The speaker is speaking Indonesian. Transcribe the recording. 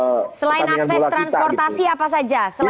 oke selain akses transportasi apa saja